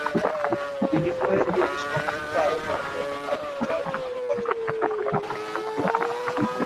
বিনিময়ে, তিনি তাকে সংযুক্ত আরব আমিরাতে পালিয়ে যাওয়ার জন্য পর্যাপ্ত পরিমাণ অর্থ দেবেন।